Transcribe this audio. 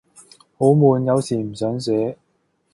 好悶，有時唔想寫